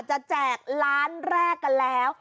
แจกล้านแรกกันแล้ว